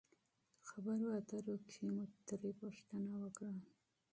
خبرو اترو کښې مو ترې پوښتنه وکړه